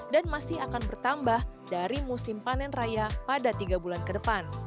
dan masih akan bertambah dari musim panen raya pada tiga bulan ke depan